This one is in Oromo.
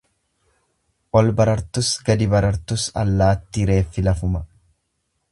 Ol barartus, gadi barartus allaattii reeffi lafuma.